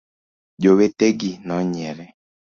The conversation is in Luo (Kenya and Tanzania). Jowete gi nonyiere.